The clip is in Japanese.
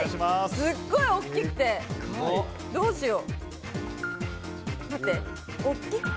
すっごい大きくて、どうしよう。